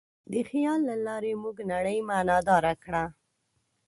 د خیال له لارې موږ نړۍ معنیداره کړه.